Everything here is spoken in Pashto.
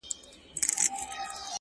• دا خو زموږ د مړو لو بې عزتي ده,